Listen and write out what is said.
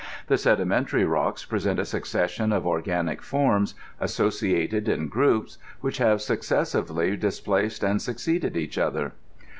The sedimentary rocks present a succession of organic £)rms, associated in groups^ which have successive ly displaced and succeeded each other.